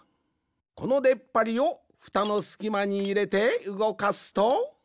このでっぱりをふたのすきまにいれてうごかすと。